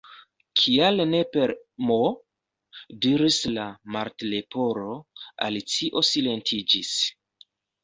"Kial ne per M?" diris la Martleporo. Alicio silentiĝis.